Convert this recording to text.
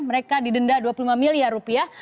mereka didenda dua puluh lima miliar rupiah